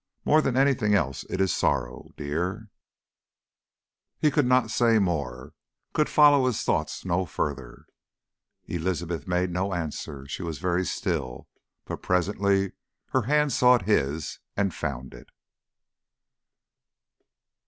More than anything else it is sorrow. Dear ..." He could say no more, could follow his thoughts no further. Elizabeth made no answer she was very still; but presently her hand sought his and found it.